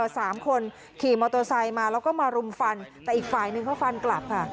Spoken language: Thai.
สามคนขี่มอเตอร์ไซค์มาแล้วก็มารุมฟันแต่อีกฝ่ายนึงเขาฟันกลับค่ะ